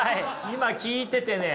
今聞いててね